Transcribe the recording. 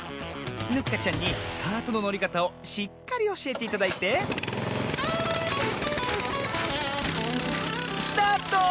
ヌッカちゃんにカートののりかたをしっかりおしえていただいてスタート！